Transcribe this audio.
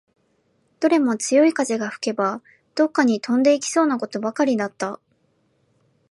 どれも強い風が吹けば、どっかに飛んでいきそうなことばかりだった